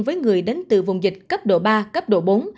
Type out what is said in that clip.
với người đến từ vùng dịch cấp độ ba cấp độ bốn